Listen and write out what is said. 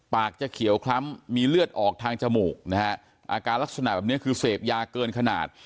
ปากจะเขียวคล้ำมีเลือดออกทางจมูกนะฮะอาการลักษณะแบบนี้คือเสพยาเกินขนาด